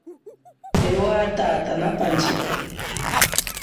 Ewa tata na pandjika.